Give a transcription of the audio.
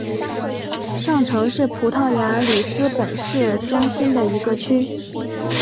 上城是葡萄牙里斯本市中心的一个区。